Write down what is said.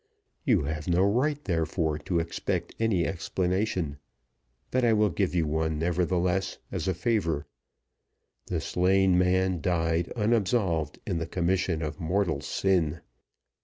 You have no right, therefore, to expect any explanation; but I will give you one, nevertheless, as a favor. The slain man died, unabsolved, in the commission of mortal sin.